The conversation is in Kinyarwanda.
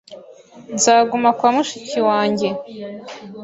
Nzaguma kwa mushiki wanjye.